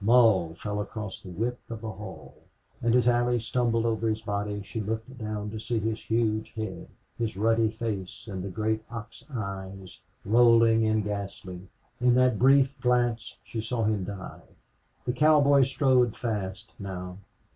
Mull fell across the width of the hall. And as Allie stumbled over his body she looked down to see his huge head, his ruddy face, and the great ox eyes, rolling and ghastly. In that brief glance she saw him die. The cowboy strode fast now.